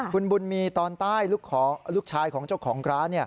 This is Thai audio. คุณบุญมีตอนใต้ลูกชายของเจ้าของร้าน